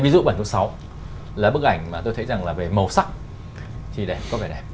ví dụ bản số sáu là bức ảnh mà tôi thấy rằng là về màu sắc thì đẹp có vẻ đẹp